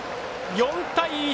４対１。